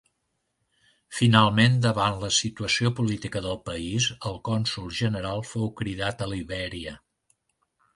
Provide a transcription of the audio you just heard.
Finalment, davant la situació política del país, el cònsol general fou cridat a Libèria.